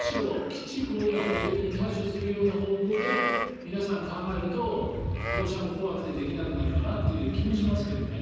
きっちりこういうのは法的に対処するような方向で皆さん、考えると業者も怖くてできなくなるかなという気もしますけどね。